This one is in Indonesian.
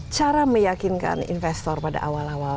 cara meyakinkan investor pada awal awal